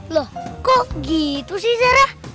loh kok gitu sih sarah